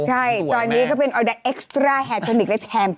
ใช่ตอนนี้เขาเป็นออยดักเอ็กซ์เตอร์ราแฮทตีโนกและแทมป์